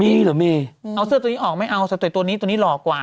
มีก็มีเอาเสื้อตัวนี้ออกไม่เอาใส่ตัวนี้ตัวนี้หลอกกว่า